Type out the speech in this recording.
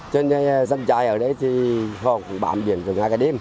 cho nên dân chai ở đây thì họ cũng bám biển từ ngay cả đêm